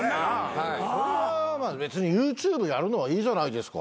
別にＹｏｕＴｕｂｅやるのはいいじゃないですか。